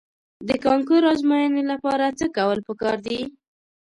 د کانکور د ازموینې لپاره څه کول په کار دي؟